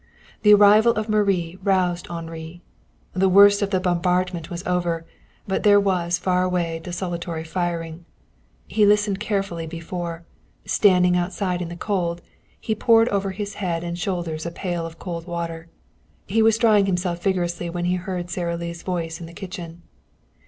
The arrival of Marie roused Henri. The worst of the bombardment was over, but there was far away desultory firing. He listened carefully before, standing outside in the cold, he poured over his head and shoulders a pail of cold water. He was drying himself vigorously when he heard Sara Lee's voice in the kitchen.